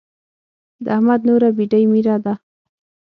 د احمد نوره بېډۍ ميره ده.